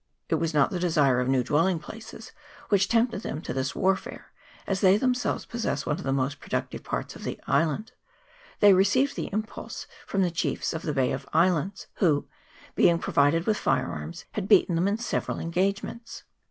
It was not the desire of new dwelling places which tempted them to this warfare, as they themselves possess one of the most productive parts of the island ; they re ceived the impulse from the chiefs of the Bay of Islands, who, being provided with fire arms, had beaten them in several engagements.